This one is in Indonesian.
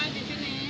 baru pertama di sini